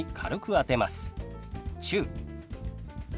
「中」。